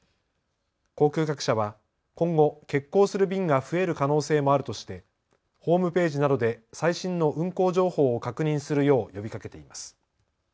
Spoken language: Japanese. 航空各社は今後、欠航する便が増える可能性もあるとしてホームページなどで最新の運航情報を確認するよう呼びかけています。